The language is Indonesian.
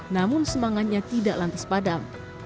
namun semangatnya tidak lantas padam